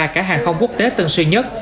cả hàng không quốc tế tân suy nhất